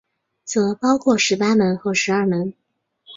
则包括十八门和十二门。